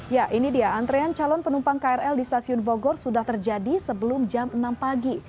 ya ini dia antrean calon penumpang krl di stasiun bogor sudah terjadi sebelum jam enam pagi